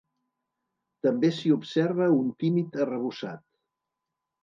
També s'hi observa un tímid arrebossat.